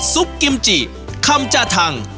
ซุปกิมจิคำจาทัง